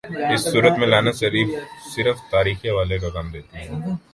اس صورت میں لغت صرف تاریخی حوالے کا کام دیتی ہے۔